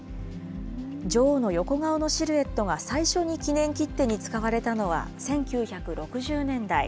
女王の横顔のシルエットが最初に記念切手に使われたのは、１９６０年代。